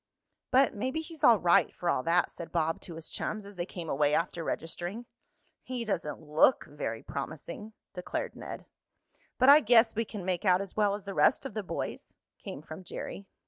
"But maybe he's all right for all that," said Bob to his chums, as they came away after registering. "He doesn't look very promising," declared Ned. "But I guess we can make out as well as the rest of the boys," came from Jerry.